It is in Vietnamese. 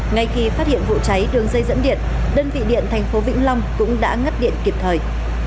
ngay khi phát hiện vụ cháy đường dây dẫn điện đơn vị điện thành phố vĩnh long cũng đã ngắt điện kịp thời